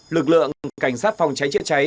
lực lượng cảnh sát phòng cháy chữa cháy